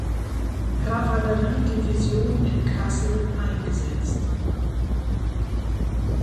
Kavallerie-Division in Kassel eingesetzt.